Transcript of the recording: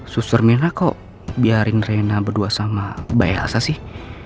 susur minra kok biarin reina berdua sama bayi elsa sih